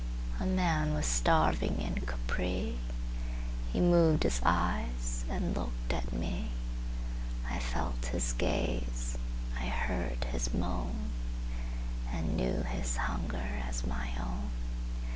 A man was starving in Capri; He moved his eyes and looked at me;I felt his gaze, I heard his moan, And knew his hunger as my own.